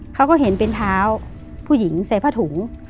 เขาก็เห็นเป็นเท้าผู้หญิงใส่ผ้าถุง